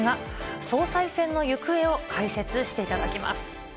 総裁選の行方を解説していただきます。